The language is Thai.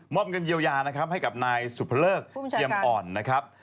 มอบเงินเยียวยาให้กับนายสุภเริกเกียมอ่อนนะครับ